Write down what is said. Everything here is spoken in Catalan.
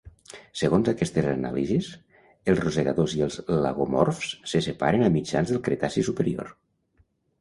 Segons aquestes anàlisis, els rosegadors i els lagomorfs se separaren a mitjans del Cretaci superior.